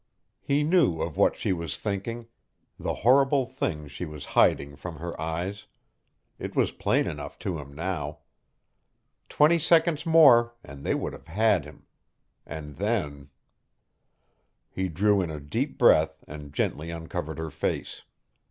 He knew of what she was thinking the horrible thing she was hiding from her eyes. It was plain enough to him now. Twenty seconds more and they would have had him. And then He drew in a deep breath and gently uncovered her face.